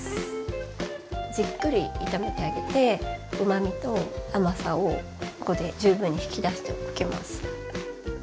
じっくり炒めてあげてうまみと甘さをここで十分に引き出しておきます。